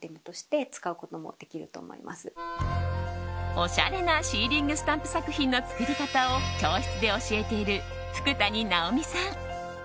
おしゃれなシーリングスタンプ作品の作り方を教室で教えている福谷直美さん。